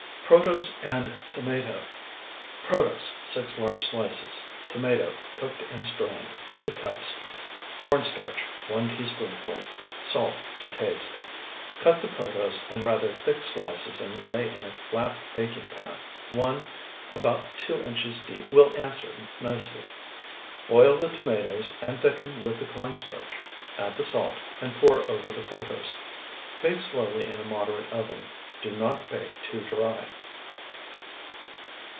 PROTOSE AND TOMATO Protose, 6 large slices. Tomato, cooked and strained, 2 cups. Corn starch, 1 teaspoonful. Salt to taste. Cut the protose in rather thick slices and lay in a flat baking pan (one about two inches deep will answer nicely); boil the tomatoes and thicken with the corn starch; add the salt, and pour over the protose. Bake slowly in a moderate oven. Do not bake too dry.